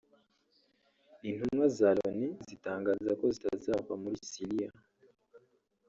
Intumwa za Loni zitangaza ko zitazava muri Siriya